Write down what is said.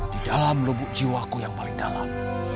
di dalam lubuk jiwaku yang paling dalam